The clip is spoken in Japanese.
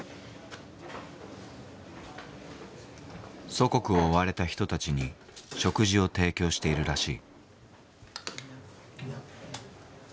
祖国を追われた人たちに食事を提供しているらしい。